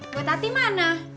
buat ati mana